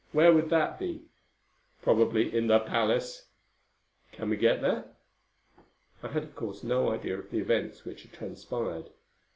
Where would that be?" "Probably in the palace." "Can we get there?" I had, of course, no idea of the events which had transpired.